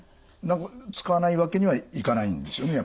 使わないわけにはいかないんですよね？